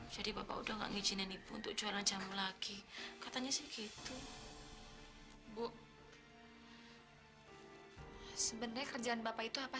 jangan lupa dukung terus